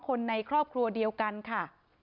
คนในครอบครัวเดียวกันค่ะ